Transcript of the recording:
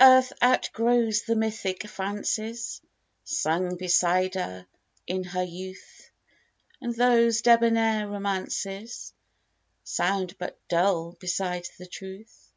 ARTH outgrows the mythic fancies Sung beside her in her youth ; And those debonair romances Sound but dull beside the truth.